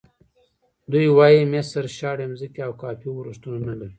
دوی وایي مصر شاړې ځمکې او کافي ورښتونه نه لري.